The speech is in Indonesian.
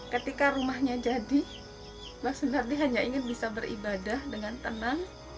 ketika rumahnya jadi mbak sunardi hanya ingin bisa beribadah dengan tenang